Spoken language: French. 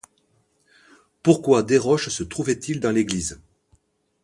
Pourquoi Desroches se trouvait-il dans l’église?